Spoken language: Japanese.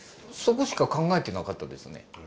そこしか考えてなかったですね。